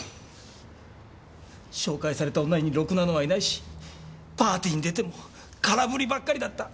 紹介された女にろくなのはいないしパーティーに出ても空振りばっかりだった。